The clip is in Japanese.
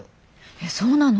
えっそうなの？